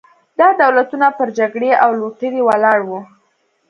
دا دولتونه پر جګړې او لوټرۍ ولاړ وو.